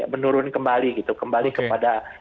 menurun kembali gitu kembali kepada